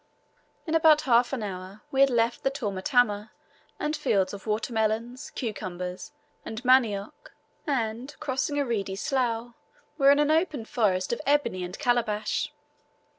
In about half an hour we had left the tall matama and fields of water melons, cucumbers, and manioc; and, crossing a reedy slough, were in an open forest of ebony and calabash.